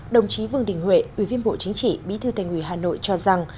đồng chí vương đình huệ ủy viên bộ chính trị bí thư thành ủy hà nội cho rằng